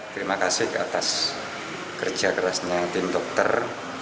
terima kasih atas kerja kerasnya tim dokter